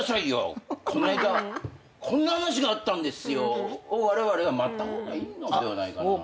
「この間こんな話があったんですよ」をわれわれは待った方がいいのではないかな。